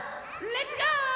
レッツゴー！